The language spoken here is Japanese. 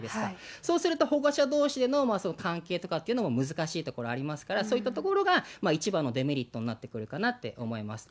そうすると保護者どうしでのその関係とかっていうのも難しいところありますから、そういったところが一番のデメリットになってくるかなって思います。